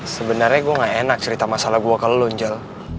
sebenarnya gue gak enak cerita masalah gue ke lo njel